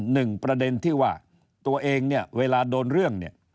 หนึ่งประเด็นที่ว่าตัวเองเนี่ยเวลาโดนเรื่องเนี่ย